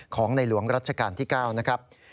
ของในหลวงรัชกาลที่๙นะครับ